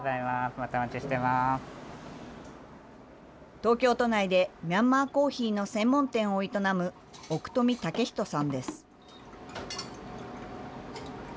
東京都内でミャンマーコーヒーの専門店を営む奥富毅人さんです。